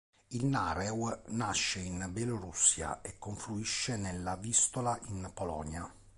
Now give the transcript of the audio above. Il Narew nasce in Bielorussia e confluisce nella Vistola in Polonia.